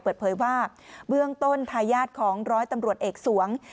เปิดเผยว่าเบื้องต้นทายาทของร้อยตำรวจเอกสวง